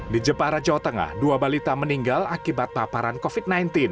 di jepara jawa tengah dua balita meninggal akibat paparan covid sembilan belas